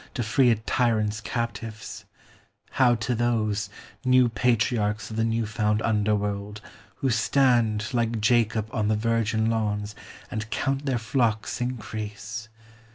f To free a tyrant's captives ? How to those — CHRISTMAS DAY. I 3 New patriarchs of the new found underworld — Who stand, Hke Jacob, on the virgin lawns. And count their flocks' increase